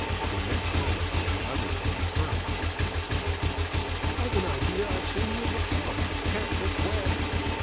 The next moment the other had confirmed this suspicion. "I've an idea I've seen you before. Can't think where."